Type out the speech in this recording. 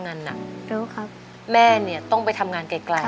คิดหมอดบ้านเนย